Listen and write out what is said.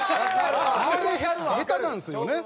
あれ下手なんですよね。